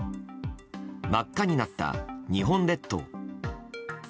真っ赤になった日本列島。